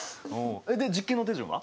で実験の手順は？